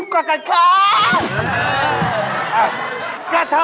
กว่ากันค่ะ